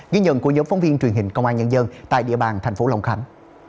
ghi nhận của nhóm phóng viên truyền hình công an nhân dân tại địa bàn thành phố long khánh